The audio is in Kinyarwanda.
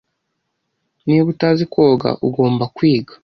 Niba utazi koga, ugomba kwiga.